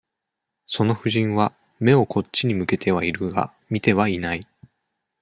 その夫人は、眼をこっちに向けてはいるが、見てはいない。